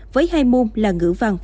với hai môn là ngữ văn